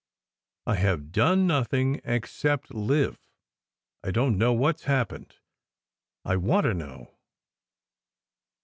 I have done nothing, except live. I don t know what s happened. I want to know."